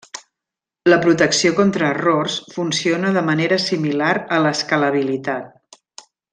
La protecció contra errors funciona de manera similar a l'escalabilitat.